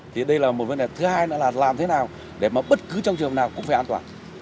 thì đây là một vấn đề thứ hai nữa là làm thế nào để mà bất cứ trong trường nào cũng phải an toàn